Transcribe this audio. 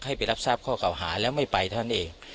ให้ไปรับทราบข้อเก่าหาแล้วไม่ไปเท่านั้นเอง